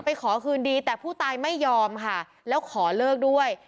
ขอคืนดีแต่ผู้ตายไม่ยอมค่ะแล้วขอเลิกด้วย